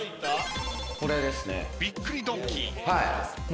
これですね。びっくりドンキー。